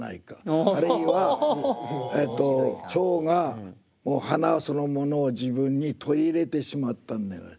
あるいは蝶がもう花そのものを自分に取り入れてしまったんじゃないか。